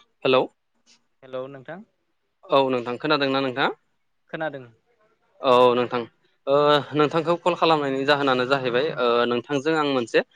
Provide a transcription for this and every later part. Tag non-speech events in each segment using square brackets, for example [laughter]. [inaudible] Hello hello नोंथां औ नोंथां खोनादों ना नोंथां खोनादों औ नोंथां नोंथांखौ कल खालामनायनि जाहोनानो जाहैबाय ओ नोंथांजों आं मोनसे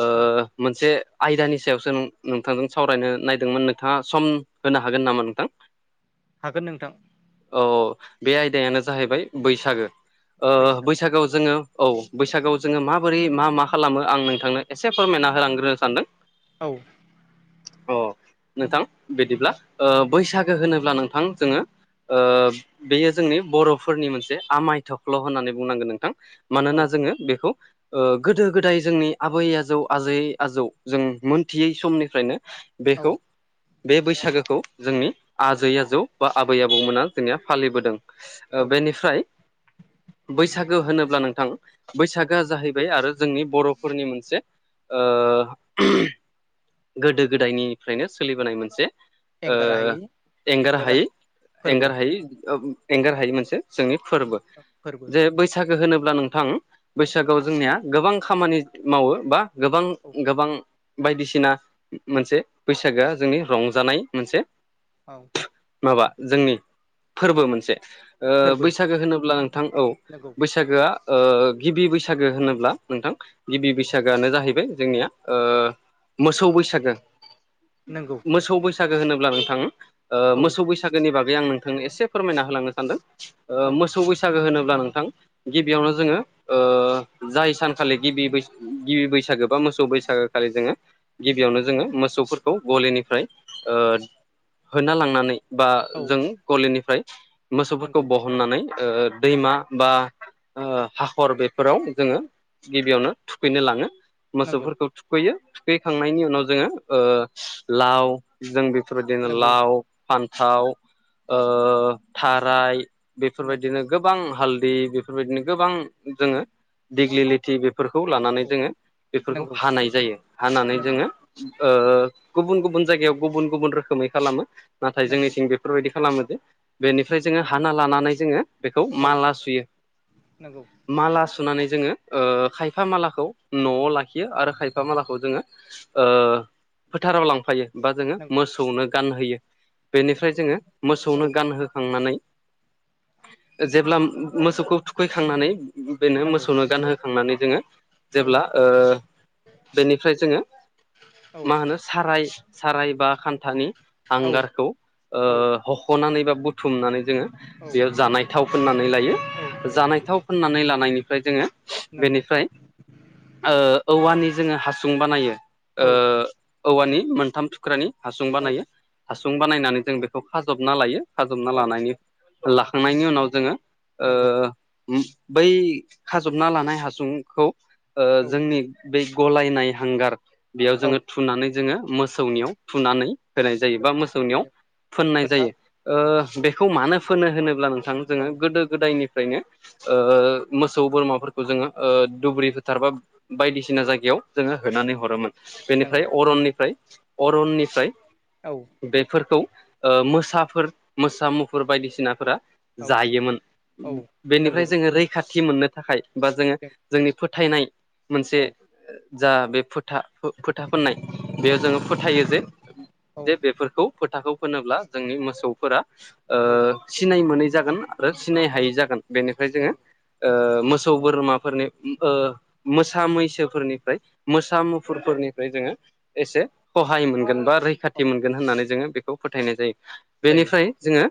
ओ उम मोनसे आयदानि सायावसो नोंथांजों सावरायनो नायदोंमोन नोंथाङा सम होनो हागोन नामा नोंथां हागोन नोंथां अ बे आयदायानो जाहैबाय बैसागो ओ बैसागु बैसागोआव जोंङो औ बैसागोआव जोङो माबोरै मा मा खालामो आं नोंथांनो एसे फोरमायना होलांग्रोनो सानदों औ अ नोंथां बिदिब्ला बैसागो होनो अब्ला नोंथां जोङो ओ औ बेयो जोंनि बरफोरनि मोनसे आमाय थख्ल होननानै बुंनांगोन नोंथां औ मानोना जोङो बेखौ गोदो गोदाय जोंनि आबै आजौ आजै आजौ जों मोनथियै समनिफ्रायनो औ बेखौ बे बैसागोखौ जोंनि आजै आजौ बा आबै आबौमोना जोंनिया फालिबोदों औ बेनिफ्राय बैसागो होनोब्ला नोंथां नंगौ बैसागोआ जाहैबाय आरो जोंनि बरफोरनि मोनसे गोदो गोदायनि औ फ्रायनो सोलिबोनाय मोनसे ओ एंगारा हायै एंरंगार एंगारा हायै फोरबो एंगार हायै एंगार हायै मोनसे जोंनि फोरबो फोरबो जे बैसागो होनोब्ला नोंथां बैसागोआव जोंनिया गोबां खामानि मावो बा गोबां औ गोबां बायदिसिना मोनसे बैसागोआ जोंनि रंजानाय मोनसे औ माबा जोंनि ओ फोरबो मोनसे फोरबो बैसागो होनोब्ला नोंथां औ नंगौ बैसाग बैसागोआ गिबि बैसागो होनोब्ला नोंथां गिबि बैसागोआनो जाहैबाय ओ जोंनिया मोसौ बैसागो नंगौ मोसौ बैसागो होनोब्ला नोंथां औ मोसौ बैसागोनि बागै आं नोंथांनो एसे फोरमायना हो होलांनो सानदों औ मोसौ बैसागो होनोब्ला नोंथां गिबियावनो जोङो जाय सानखालि गिबि गिबि बैसागो बा मोसौ बैसागो खालि जोङो औ गिबियावनो जोङो मोसौफोरखौ गलिनिफ्राय ओ होना लांनानै बा औ जों गलिनिफ्राय मोसौफोरखौ नंगौ ब होननानै दैमा बा हाखर बेफोराव जोंङो गिबियावनो थुखैनो लांङो नंगौ मोसौफोरखौ खैयो सुखैखांनायनि उनाव जोङो लाव जों बेफोरबायदिनो नंगौ लाव फान्थाव थाराय नंगौ बेफोरबायदिनो गोबां हालदै बेफोरबायदिनो गोबां जोंङो दिग्लिथि फोरफोरखौ लानानै औ जोङो बेफोरखौ नंगौ हानाय जायो हानानै नंगौ जोंङो गुबुन गुबुन जायगायाव गुबुन गुबुन रोखोमै खालामो नाथाय नंगौ जोंनिथिं बे बेफोरबायदि खालामोदो बेनिफ्राय जोङो हाना लानानै जोंङो बेखौ औ माला सुयो नंगौ माला सुनानै जोंङो खायफा मालाखौ नआव लाखियो आरो खायफा मालाखौ जोंङो ओ फोथाराव लांफायो बा जोंङो नंगौ मोसौनो गानहोयो बेनिफ्राय जोंङो औ मोसौनो गानहोखांनानै जेब्ला मोसौखौ थुखैखांनानै बेनो नंगौ मोसौनो गानहोखांनानै जोंङो औ जेब्ला बेनिफ्राय जोंङो औ साराय साराय बा खान्थानि औ हांगारखौ औ हख हखनानै बा बुथुमनानै जोङो औ बेयाव जानाय थाव फोननानै लायो। औ जानाय थाव फोननानै लानायनिफ्राय जोंङो नंगौ बेनिफ्राय औवानि जोंङो हासुं बानायो औ औवानि मोनथाम थुख्रानि हासुं औ बानायो हासुं बानायनानै जों बेखौ खाजबना लायो खाजबना औ लानायनि लाखांनायनि उनाव जोंङो नंगौ ओ बै खाजबना लानाय हासुंखौ औ जोंनि बै गलायनाय हांगार बेयाव जोंङो थुनानै जोंङो मोसौनियाव थुनानै होनाय जायो बा औ मोसौनियाव फोननाय खोथा औ जायो बेखौ मानो फोनो होनोब्ला नोंथां औ जोंङो गोदो गोदायनिफ्रायनो मोसौ बोरमाफोरखौ जोंङो दुब्रि फोथारबा बायदिसिना जायगायाव जोंङो होनानै हरोमोन नंगौ बेनिफ्राय अरननिफ्राय अरननिफ्राय औ बेफोरखौ मोसाफोर मोसा मुफुर बायदिसिनाफोरा औ जायोमोन औ बेनिफ्राय नंगौ जोंङो रैखाथि मोननो थाखाय बा जोंङो जों जोंनि फो फोथायनाय मोनसे औ जा बे फोथा फोथा फोननाय औ बेयाव जोंङो फोथायो जे औ जे बेफोरखौ फोथाखौ फोनोब्ला जोंनि मोसौफोरा औ सिनाय मोनै जागोन आरो सिनाय औ हायि जागोन बेनिफ्राय जोंङो नंगौ मोसौ बोरमाफोरनि ओ मोसा मैसोफोरनिफ्राय मोसा मुफुरफोरनिफ्राय जोंङो एसे सहाय मोनगोन बा रैखाथि औ मोनगोन होनानै जोंङो बेख खौ फोथायनाय जायो जायो बेनिफ्राय जोंङो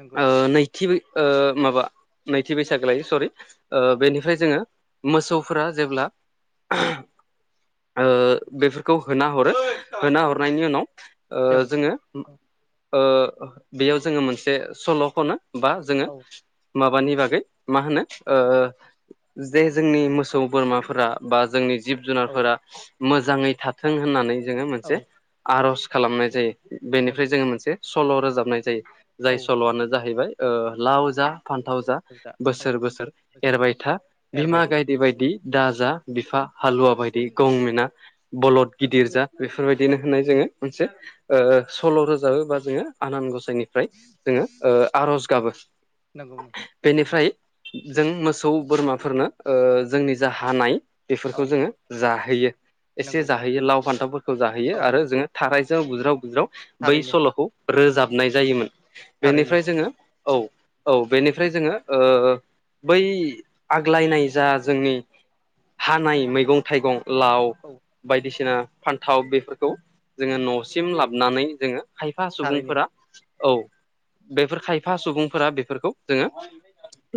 नंगौ नै थि बै ओ माबा नैथि बैसागो लायो सरि। बेनिफ्राय जोंङो मोसौफोरा जेब्ला ओ बेफोरखौ होना हरो होना औ हरनायनि उनाव जों जोंङो बेयाव जोंङो मोनसे सल' खनो। बा जोंङो औ माबानि बागै मा होनो ओ जे जोंनि मोसौ बोरमाफोरा बा जोंनि जिब औ जुनारफोरा मोजाङै थाथों होननानै जोंङो औ मोनसे आर'ज खालामनाय जायो। बेनिफ्राय नंगौ जोंङो मोनसे सल' रोजाबनाय जायो औ जाय सल'आनो जाहैबाय लाव जा फान्थाव जा बुरजा औ बोसोर बोसोर बोसोर एरबाय था एरबाय बिमा था गायदे बायदि नंगौ दा जा औ बिफा औ हालुवा बायदि गंमिना औ बलद नंगौ गिदिर जा बेफोरबायदिनो नंगौ होनो जोंङो। मोनसे सल' रोजाबोबा जोंङो आनान गसाइनिफ्राय जोंङो आर'ज गाबोन नोंगौ नोंथां। बेनिफ्राय जों मोसौ बोरमाफोरनो जोंनि जा हानाय बेफोरखौ औ जोंङो जाहोयो एसे नंगौ जाहोयो लाव फान्थावफोरखौ जाहोयो औ आरो जोंङो थारायजों बुज्राव बुज्राव बै थारैनो सल'खौ रोजाबनाय जायोमोन थारैनो बेनिफ्राय जोंङो औ औ बेनिफ्राय जोंङो ओ बै आग्लायनाय जा जोंनि हानाय मैगं थाइगं लाव औ बायदिसिना फान्थाव बेफोरखौ जोंङो न'सिम लाबोनानै जोंङो खायफा थारैनो सुबुंफोरा औ बेफोर खायफा सुबुंफोरा बेफोरखौ जोंङो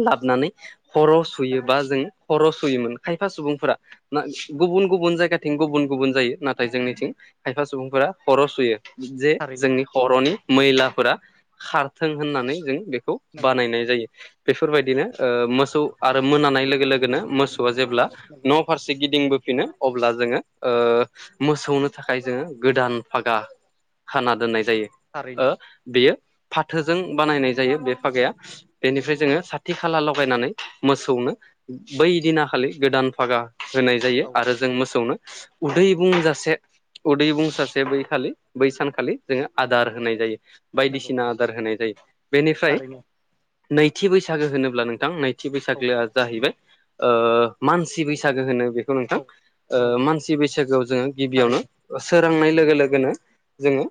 लाबानै खर' सुयो नंगौ बा जों खर' सुयोमोन खायफा सुबुंफोरा। गुबुन गुबुन जायगाथिं गुबुन गुबुन जायो नाथाय जोंनिथिं खाय फा सुबुंफोरा खर' सुयो जे थारैनो जोंनि खर'नि मैलाफोरा खारथों होननानै जों बेखौ नंगौ बानायनाय जायो। बेफोरबायदिनो मोसौ आरो मोनानाय लोगो लोगोनो मोसौआ जेब्ला नंगौ न' फारसे गिदिंबो फिनो अब्ला जोंङो मोसौनो थाखाय जोंङो गोदान फागा खाना दोननाय थारैनो जायो बेयो फाथोजों बानायनाय जायो बे फागाया। बेनिफ्राय जोंङो साथि खाला लगायनानै मोसौनो बै दिनाखालि गोदान फागा। होनाय जायो औ आरो जों मोसौनो उदै बुंजासे। उदै बुं सासे बै खालि बै सानखालि जोङो आदार होनाय जायो नंगौ बायदिसिना होनाय जायो बेनिफ्राय थारैनो नैथि बैसागो होनोब्ला नोंथां नैथि औ बैसागोआ जाहैबाय मानसि बैसागो होनो बे नोंथां औ औ मानसि बैसागोआव जोङो गिबियावनो थारैनो सोरांनाय लोगो लोगोनो जोङो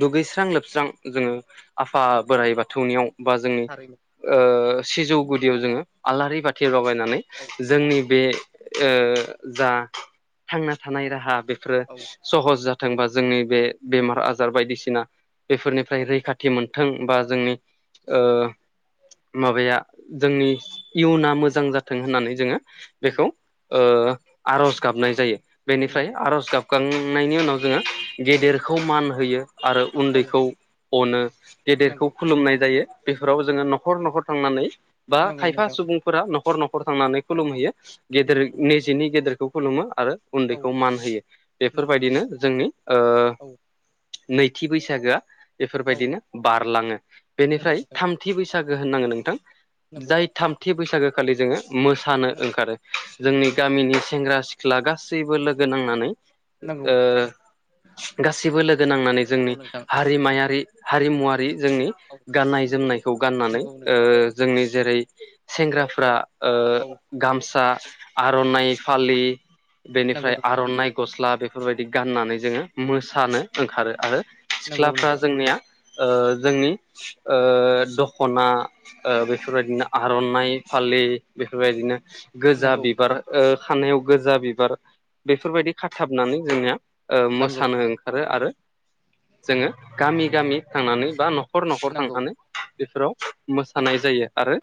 दुगैस्रां लोबस्रां जोङो आफा बोराइ बाथौनियाव बा जोंनि थारैनो सिजौ गुदियाव जोङो आलारि बाथि बाबाय औ जोंनि बे जा थांना थानाय राहा बेफोर औ सहज जाथोंबा जोंनि बे बेमार आजार बायदिसिना बेफोरनिफ्राय औ रैखाथि मोनों ाथों बा जोंनि माबाया जोंनि इयुना मोजां जाथों होननानै जोङो बेखौ नंगौ आर'ज गाबनाय जायो बेनिफ्राय नंगौ आर'ज गाबखांनायनि उनाव जोङो औ गेदेरखौ मान होयो आरो औ उन्दैखौ अनो गेदेरखौ नंगौ खुलुमनाय जायो बेफोराव जोङो न'खर न'खर थांनानै बा नंगौ खायफा नोंथां सुबुं फोर न'खर न'खर थांनानै खुलुमहैयो गेदेर नंगौ निजिनि गेदेरखौ खुलुमो आरो औ उन्दैखौ मान होयो नंगौ बेफोरबायदिनो नोंथां जोंनि औ नैथि बैसागोआ औ बेफोरबायदिनो बारलाङो नंगौ बेनिफ्राय नोंथां थाम ामथि बैसागो होनांगोन नोंथां नंगौ जाय थामथि बैसागो खालि जोङो मो थानो ओंखारो जोंनि नंगौ नंगौ नोंथां गामिनि सेंग्रा सिख्ला गासैबो लोगो नांनानै [unintelligible] ओ गासिबो लोगो नांनानै नंगौ जोंनि नोंथां हारिमायारि हारिमुवारि जोंनि औ गाननाय जोमनायखौ गाननानै नंगौ नोंथां जोंनि जेरै सेंग्राफ्रा औ गामसा आर'नाइ फालि नंगौ बेनिफ्राय नोंथां आर'नाइ गस्ला बे बेफोरबायदि गाननानै जोङो मोसानो ओंखारो आरो नंगौ सिख्लाफ्रा नोंथां जोंनिया जोंनि दख'ना बेफोरबायदिनो आर'नाइ फालि बेफोरबायदिनो गोजा नंगौ बिबार खानायाव गोजा बिबार बेफोरबायदि खाथाबनानै जोंनिया मोसानो ओंखारो आरो जोङो गामि गामि थांनानै बा न'खर न'खर न'खर नंगौ नंगौ थांनानै बेफोराव मोसानाय जायो आरो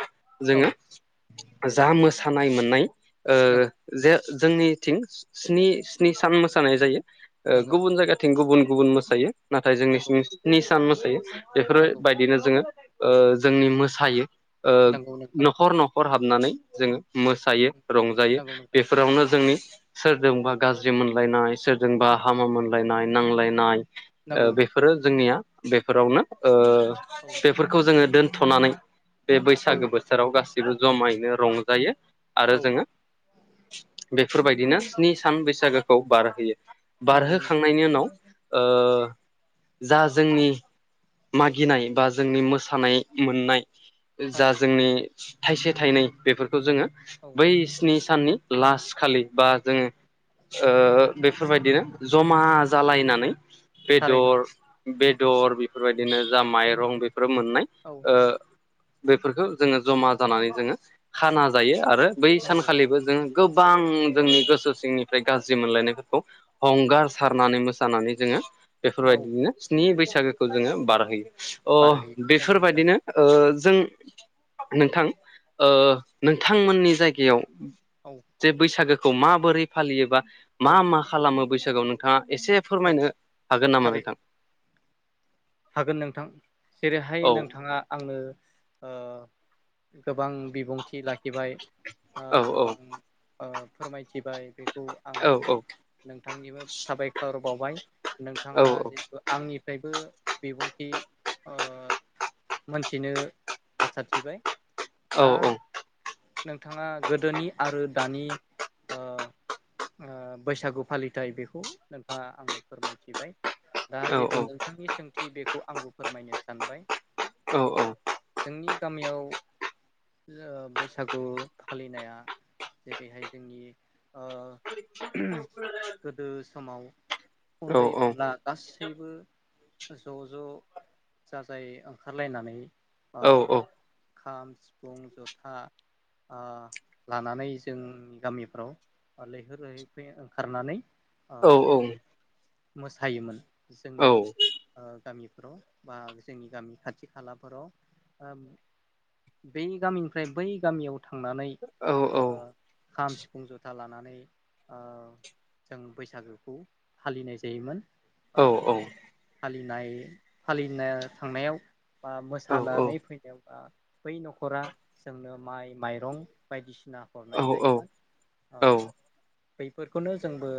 औ जोङो जा मोसानाय मोननाय नंगौ जे जोंनिथिं स्नि स्नि सान मोसानाय जायो नंगौ गुबुन जायगाथिं गुबुन गुबुन मोसायो नाथाय जोंनि नंगौ सिं निसान मोसायो नंगौ बेफोरबायदिनो जोङो जोंनि मोसायो नंगौ नोंथां न'खर न'खर हाबनानै जोङो मो थायो रंजायो नंगौ नोंथां बेफोरावनो जोंनि सोरजोंबा गाज्रि मोनलायनाय सोरजोंबा हामा मोनलायनाय नांलायनाय नंगौ बेफोर फोरो जोंनिया बेफोरावनो औ बेफोरखौ जोङो दोनथ'नानै बे औ बैसागो बोथोराव गासैबो जमायैनो रंजायो आरो औ जोङो बेफोरबायदिनो स्नि सान बैसागोखौ बारहोयो नंगौ बारहोखांनायनि उनाव ओ जा जोंनि मागिनाय बा जोंनि मोसानाय मोननाय जा थारैनो जोंनि थाइसे थाइनै बेफोरखौ जोङो औ बै स्नि साननि लास्ट खालि बा जोङो औ बेफोरबायदिनो जमा जालायनानै थारैनो बेदर बेदर बेफोरबायदिनो जा माइरं बेफोरो मोननाय औ बेफोरखौ जोङो जमा जानानै जोङो खाना जायो आरो बै नंगौ सानखालिबो जोङो गोबां जोंनि गोसो सिंनिफ्राय गाज्रि मोनलायनायफोरखौ हंगार सारनानै मोसानानै जोङो औ बेफोरबायदिनो स्नि बैसागोखौ जोङो बारहोयो बारहोयो अ नंगौ नोंथां बेफोरबायदिनो जों नोंथां नोंथांमोननि जायगायाव औ जे बैसागोखौ माबोरै फालियोबा औ मा मा खालामो बैसागोआव नोंथाङा एसे औ फोरमायनो हागोन नामा थारै नोंथां? हागोन नोंथां जेरैहाय औ नोंथाङा आंनो ओ गोबां बिबुंथि लाखिबाय औ औ गोबां ओ फोरमायथिबाय बेखौ आं औ औ नोंथांनिबो साबायखर बावबाय औ नोंथाङा जेथु आंनिफ्रायबो बिबुंथि ओ मोनथिनो आसा थिबाय औ दा नोंथाङा गोदोनि आरो दानि ओ बैसागु फालिथाय बेखौ नोंथाङा आंनो फोरमायथिबाय दा जिथु औ नोंथांनि सोंथि बेखौ आंबो फोरमायनो सानबाय औ जोंनि गामियाव ओ बैसागु फालिनाया जेरैहाय जोंनि गोदो समाव उन्दै औ उनला गासैबो ज' ज' जाजायै ओंखारलायनानै औ औ खाम सिफुं जथा ओ लानानै जोंनि गामिफ्राव लैहोर लैहोर फै ओंखारनानै ओ औ औ मोसायोमोन जोंनि गामिफोराव बा जोंनि गामि खाथि खालाफोराव ओ बै गामिनिफ्राय बै गामियाव थांनानै खाम सिफुं जथा लानानै ओ जों बैसागोखौ फालिनाय जायोमोन बा फालिनाय फालिनो थांनायाव बा मोसानानै फैदोंबा बै न'खरा जोंनो माइ माइरं बायदिसिना हरनाय जायोमोन बैफोरखौनो जोंबो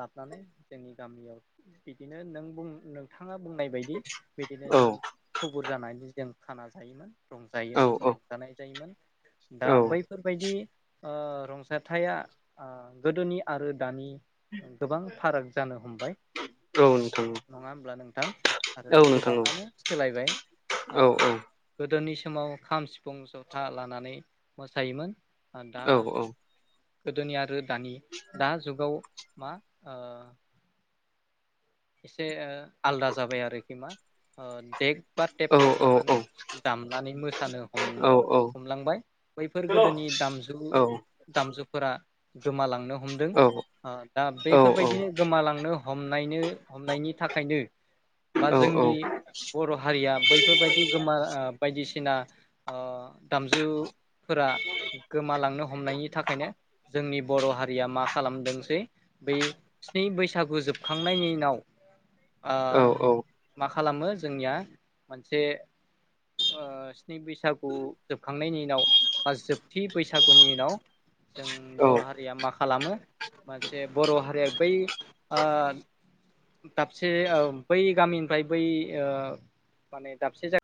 लाबानै जोंनि गामियाव बिदिनो नों बुं नोंथाङा बुंनाय बायदि बिदिनो औ जों थुबुर जानानै जों खाना जायोमोन औ रंजायोम रंजानाय जायोमोन दा औ बैफोरबायदि ओ रंजाथाइआ ओ गोदोनि आरो दानि गोबां फाराग जानो हमबाय नोंथां नङा होमब्ला नोंथां? आरो औ नोंथां गोबाङानो सोलायबाय ओ औ औ गोदोनि समाव खाम सिफुं जथा लानानै मोसायोमोन दा औ गोदोनि आरो दानि दा जुगाव मा ओ एसे आलदा जाबाय आरोखि मा देख बा औ टेप औ लानानै दामनानै मोसानो हम औ हमलांबाय बैफोर गोदोनि दामजु दामजुफोरा गोमालांनो हमदों ओ दा बेफोरबायदिनो गोमालांनो हमनो हमनायनि थाखायनो बा जोंनि बर' हारिया बैफोरबायदि गोमा ओ बायदिसिना ओ दामजुफोरा गोमालांनो हमनायनि थाखायनो जोंनि बर' हारिया मा खालामदोंसै बै स्नि बैसागु जोबखांनायनि उनाव ओ औ मा खालामो जोंनिया मोनसे स्नि बैसागु जोबखांनायनि उनाव बा जोबथि बैसागुनि उनाव जों औ बर' हारिया मा खालामो मोनसे बर' हारिया बै ओ दाबसे बै गामिनिफ्राय बै माने दाबसे जायगा